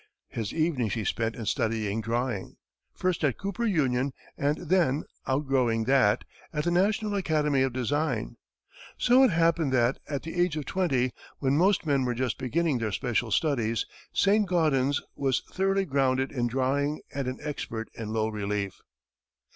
His evenings he spent in studying drawing, first at Cooper Union and then, outgrowing that, at the National Academy of Design. So it happened that, at the age of twenty, when most men were just beginning their special studies, Saint Gaudens was thoroughly grounded in drawing and an expert in low relief.